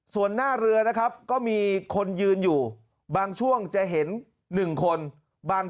ส่วนหน้าเรือนะครับก็มีคนยืนอยู่บางช่วงจะเห็น๑คนบาง